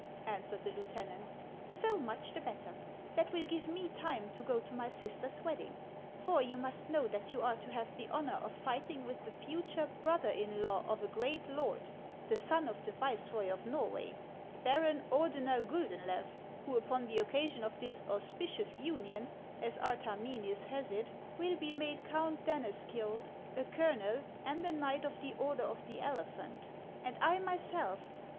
" answered the lieutenant ;" so much the bet ter. That will give me time to go to my sister's wedding ; for you must know that you are to have the honor of fight ing with the future brother in law of a great lord, the son of the viceroy of Norway, Baron Ordener Guldenlew, who upon the occasion of this ' auspicious union,' as Artamenes has it, will be made Count Daneskiold, a colonel, and a knight of the Order of the Elephant ; and I myself, who HANS OF ICELAND.